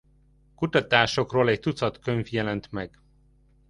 A kutatásokról egy tucat könyv jelent meg.